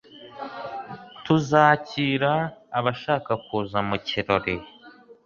tuzakira abashaka kuza mu kirori